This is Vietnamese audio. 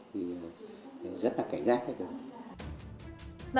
thì rất là cảnh giác đấy